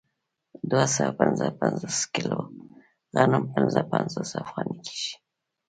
دوه سوه پنځه پنځوس کیلو غنم پنځه پنځوس افغانۍ کېږي